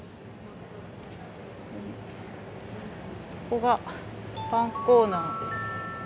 ここがパンコーナーです。